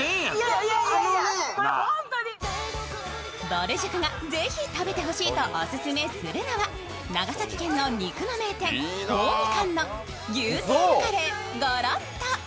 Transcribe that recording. ぼる塾が是非食べてほしいとオススメするのは長崎県の肉の名店、豊味館の牛テールカレーＧｏｒｏｔｔｏ。